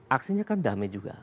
aksinya kan damai juga